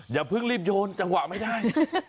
อย่าเพิ่งรีบโยนจังหวะไม่ได้